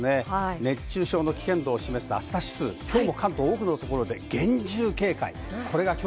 熱中症の危険度を示す暑さ指数、今日も関東、多くのところで厳重警戒。